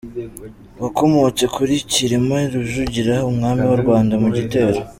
Wakomotse kuri Cyilima Rujugira umwami w’u Rwanda mu gitero